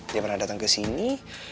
dia pernah dateng kesini